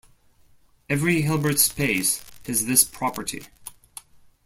Every Hilbert space has this property.